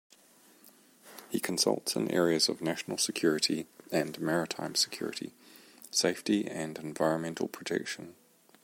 He consults in areas of national security and maritime security, safety, and environmental protection.